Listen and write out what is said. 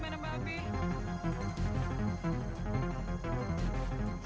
maka apakah mungkin